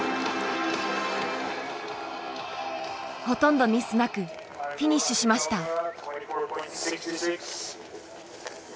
ほとんどミスなくフィニッシュしました。